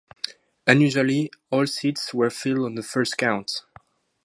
Unusually, all seats were filled on the first count.